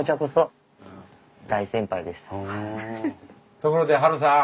ところでハルさん。